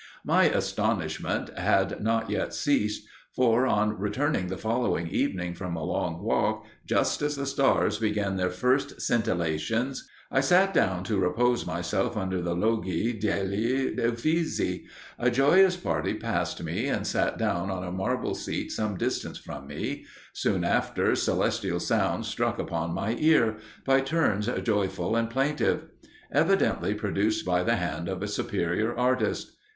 "My astonishment had not yet ceased, for, on returning the following evening from a long walk, just as the stars began their first scintillations, I sat down to repose myself under the Loggie degli Uffizi. A joyous party passed me, and sat down on a marble seat some distance from me; soon after, celestial sounds struck upon my ear, by turns joyful and plaintive, evidently produced by the hand of a superior artist.